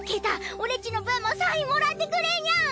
オレっちの分もサインもらってくれニャン！